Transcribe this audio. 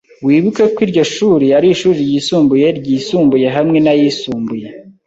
Wibuke ko iryo shuri ari ishuri ryisumbuye ryisumbuye hamwe nayisumbuye.